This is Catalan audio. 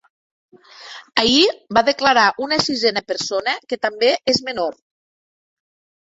Ahir va declarar una sisena persona que també és menor.